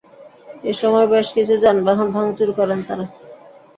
এ সময় বেশ কিছু যানবাহন ভাঙচুর করেন তাঁরা।